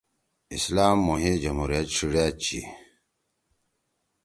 اسلام مھوئے جمہوریت ڇِھیڙِأدچی